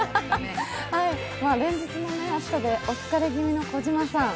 連日の暑さで、お疲れ気味の児嶋さん。